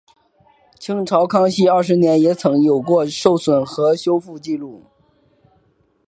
清代康熙二十年也曾有过受损和修复纪录。